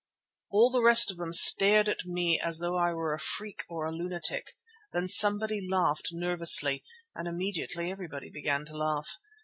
All the rest of them stared at me as though I were a freak or a lunatic. Then somebody laughed nervously, and immediately everybody began to laugh.